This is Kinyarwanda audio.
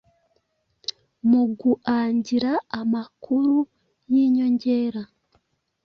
muguangira amakuru yinyongera